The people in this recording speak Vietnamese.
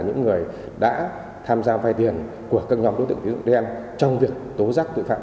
những người đã tham gia vay tiền của các nhóm đối tượng tín dụng đen trong việc tố giác tội phạm